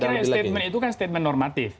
saya kira statement itu kan statement normatif